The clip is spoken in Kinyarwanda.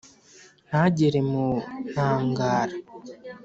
Ntagere mu ntagara